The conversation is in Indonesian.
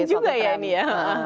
ada juga ya ini ya